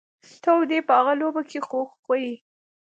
ته او دی په هغه لوبه کي خو خوئ.